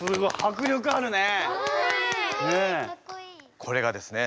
これがですね